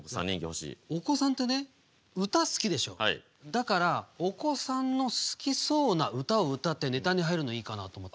だからお子さんの好きそうな歌を歌ってネタに入るのいいかなと思って。